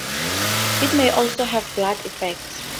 It may also have blood effects.